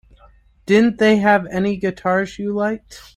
Didn't they have any guitars you liked?